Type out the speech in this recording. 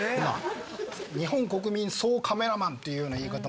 日本国民総カメラマンというような言い方もするぐらい。